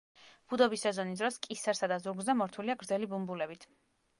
ბუდობის სეზონის დროს კისერსა და ზურგზე მორთულია გრძელი ბუმბულებით.